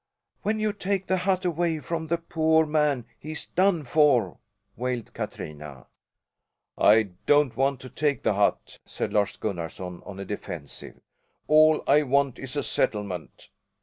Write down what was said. "When you take the hut away from the poor man he's done for," wailed Katrina. "I don't want to take the hut," said Lars Gunnarson, on the defensive. "All I want is a settlement."